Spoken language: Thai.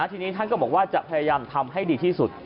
ทีนี้ท่านก็บอกว่าจะพยายามทำให้ดีที่สุด